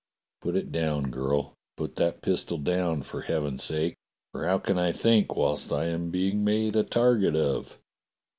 "Put it down, girl ! Put that pistol down for heaven's sake, for how can I think whilst I am being made a target of?"